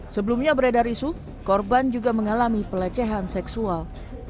sebelumnya beredar isu korban juga mengalami pelecehan seksual